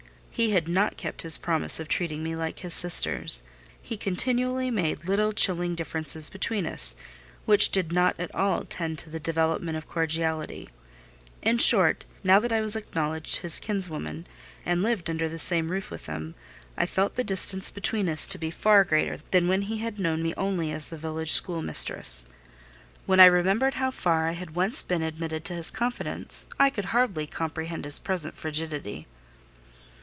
He had not kept his promise of treating me like his sisters; he continually made little chilling differences between us, which did not at all tend to the development of cordiality: in short, now that I was acknowledged his kinswoman, and lived under the same roof with him, I felt the distance between us to be far greater than when he had known me only as the village schoolmistress. When I remembered how far I had once been admitted to his confidence, I could hardly comprehend his present frigidity.